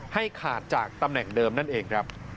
ให้ขาดจากตำแหน่งเดิมนั่นเองครับ